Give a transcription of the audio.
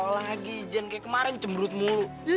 ketawa lagi jangan kayak kemarin cemrut mulu